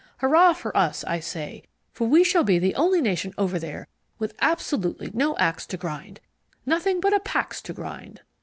Hurrah for us, I say, for we shall be the only nation over there with absolutely no axe to grind. Nothing but a pax to grind!"